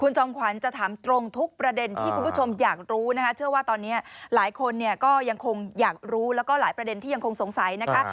จอมขวัญจะถามตรงทุกประเด็นที่คุณผู้ชมอยากรู้นะคะเชื่อว่าตอนนี้หลายคนเนี่ยก็ยังคงอยากรู้แล้วก็หลายประเด็นที่ยังคงสงสัยนะคะ